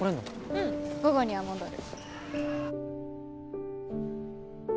うん午後には戻る。